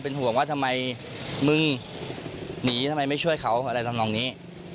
ห่วงว่าทำไมมึงหนีทำไมไม่ช่วยเขาอะไรทำนองนี้